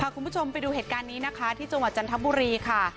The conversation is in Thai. คุณผู้ชมไปดูเหตุการณ์นี้นะคะที่จังหวัดจันทบุรีค่ะ